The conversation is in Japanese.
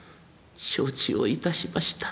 承知をいたしました」。